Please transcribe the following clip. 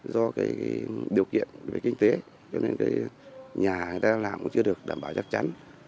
do cái điều kiện về kinh tế cho nên cái nhà người ta làm cũng chưa được đảm bảo chắc chắn